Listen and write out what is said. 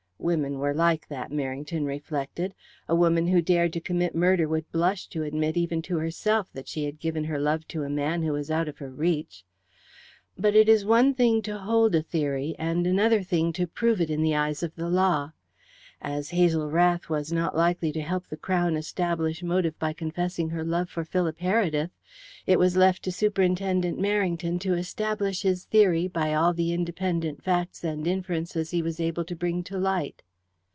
Women were like that, Merrington reflected. A woman who dared to commit murder would blush to admit, even to herself, that she had given her love to a man who was out of her reach. But it is one thing to hold a theory, and another thing to prove it in the eyes of the law. As Hazel Rath was not likely to help the Crown establish motive by confessing her love for Philip Heredith, it was left to Superintendent Merrington to establish his theory, by all the independent facts and inferences he was able to bring to light.